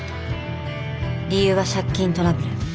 理由は借金トラブル。